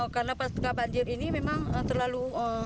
karena pas terdekat banjir ini memang terlalu